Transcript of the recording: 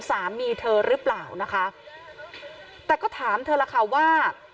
สามีเธอหรือเปล่านะคะแต่ก็ถามเธอล่ะค่ะว่า